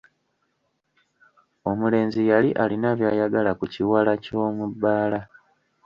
Omulenzi yali alina by'ayagala ku kiwala ky'omu bbaala!